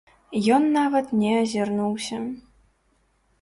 Ён нават не азірнуўся.